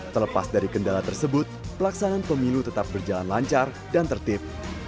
terlepas dari kendala tersebut pelaksanaan pemilu tetap berjalan lancar dan tertib